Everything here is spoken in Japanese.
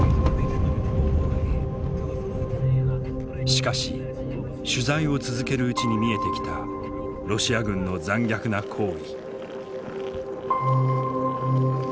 しかし取材を続けるうちに見えてきたロシア軍の残虐な行為。